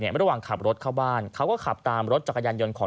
ระหว่างขับรถเข้าบ้านเขาก็ขับตามรถจักรยานยนต์ของ